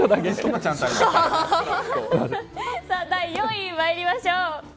第４位に参りましょう。